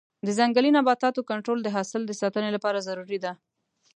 د ځنګلي نباتاتو کنټرول د حاصل د ساتنې لپاره ضروري دی.